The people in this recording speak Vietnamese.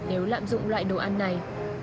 nếu lạm dụng loại đồ ăn này